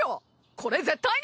これ絶対に。